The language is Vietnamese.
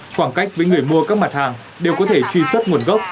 khoảng cách với người mua các mặt hàng đều có thể truy xuất nguồn gốc